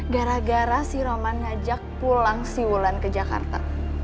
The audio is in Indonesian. gara gara si roman ngajak pulang si wulan ke jakarta